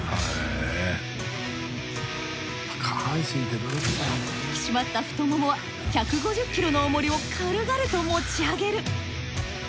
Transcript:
引き締まった太ももは１５０ｋｇの重りを軽々と持ち上げる。